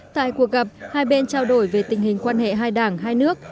tại cuộc gặp hai bên trao đổi về tình hình quan hệ hai đảng hai nước